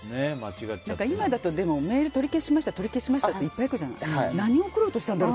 今だとメール取り消しました取り消しましたっていっぱいくるじゃん。